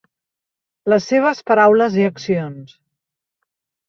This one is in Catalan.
Les seves paraules i accions.